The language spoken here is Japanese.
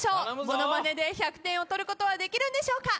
モノマネで１００点を取ることはできるんでしょうか。